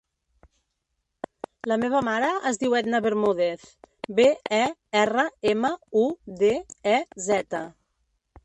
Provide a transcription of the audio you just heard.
La meva mare es diu Edna Bermudez: be, e, erra, ema, u, de, e, zeta.